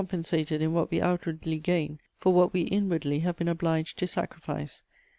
nsated in what we outwardly gain for what we inwardly have been obliged to sacrifice.